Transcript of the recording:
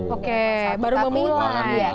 oke baru memulai